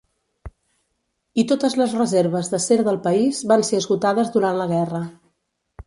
I totes les reserves d'acer del país van ser esgotades durant la guerra.